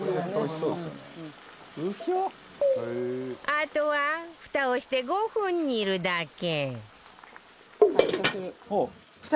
あとはフタをして５分煮るだけ